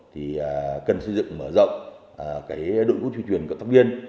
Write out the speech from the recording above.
thì cần xây dựng mở rộng đội ngũ tuyên truyền cộng tác viên